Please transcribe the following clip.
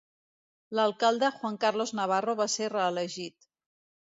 L'alcalde Juan Carlos Navarro va ser reelegit.